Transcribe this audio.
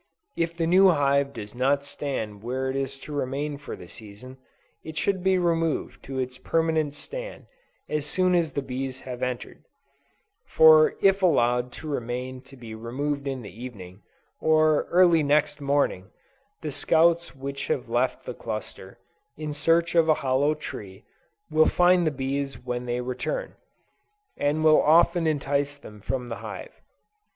If the new hive does not stand where it is to remain for the season, it should be removed to its permanent stand as soon as the bees have entered; for if allowed to remain to be removed in the evening, or early next morning, the scouts which have left the cluster, in search of a hollow tree, will find the bees when they return, and will often entice them from the hive.